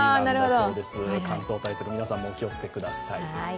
乾燥対策、皆さんもお気をつけください。